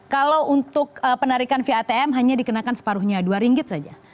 kalau untuk penarikan via atm hanya dikenakan separuhnya dua ringgit saja